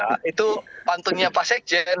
nah itu pantunnya pak sekjen